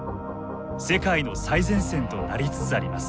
世界の最前線となりつつあります。